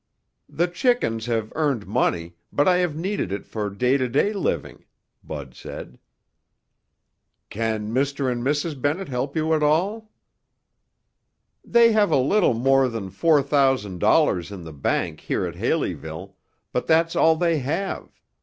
"The chickens have earned money, but I have needed it for day to day living," Bud said. "Can Mr. and Mrs. Bennett help you at all?" "They have a little more than four thousand dollars in the bank here at Haleyville, but that's all they have.